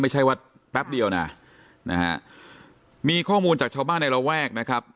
ไม่ใช่ว่าแป๊บเดียวนะนะฮะมีข้อมูลจากชาวบ้านในระแวกนะครับ